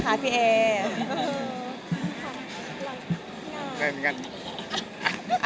แอลดนั้น